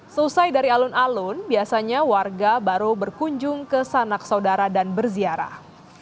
selesai dari alun alun biasanya warga baru berkunjung ke sanak saudara dan berziarah